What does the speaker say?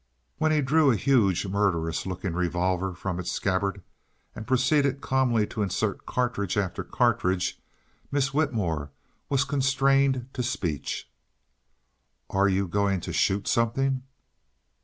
When he drew a huge, murderous looking revolver from its scabbard and proceeded calmly to insert cartridge after cartridge, Miss Whitmore was constrained to speech. "Are you going to SHOOT something?"